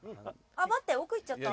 あ待って奥いっちゃった。